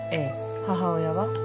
母親はＢ。